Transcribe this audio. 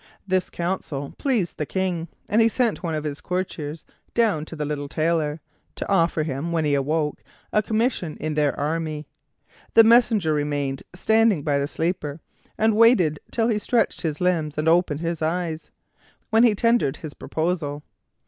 This counsel pleased the King, and he sent one of his courtiers down to the little Tailor, to offer him, when he awoke, a commission in their army. The messenger remained standing by the sleeper, and waited till he stretched his limbs and opened his eyes, when he tendered his proposal.